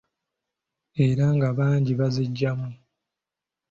Era nga bangi baziggyamu.